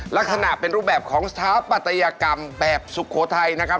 ลักษณะเป็นรูปแบบของสถาปัตยกรรมแบบสุโขทัยนะครับ